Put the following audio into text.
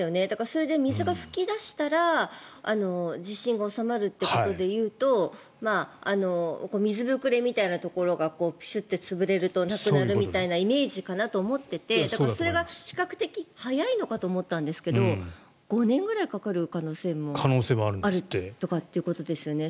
それで水が噴き出したら地震が収まるということでいうと水ぶくれみたいなところがプシュッと潰れるとなくなるみたいなイメージかなと思っていてそれが比較的早いのかと思ったんですけれど５年ぐらいかかる可能性もあるということですよね。